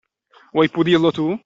Vuoi pulirlo tu?